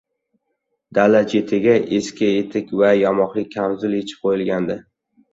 Dala chetiga eski etik va yamoqli kamzul yechib qoʻyilgandi.